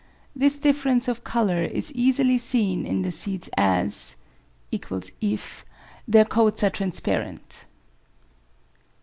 This difference of colour is easily seen in the seeds as [= if] their coats are transparent.